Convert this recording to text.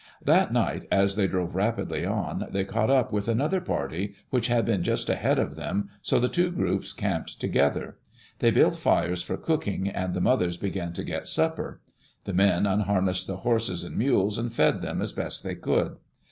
That night, as they drove rapidly on, they caught up with another party which had been just ahead of them, so the two groups camped together. DThey built fires for cooking and the mothers began to get supper. The men unharnessed the horses and mules and fed them as best they could.